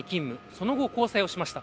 その後、交際をしました。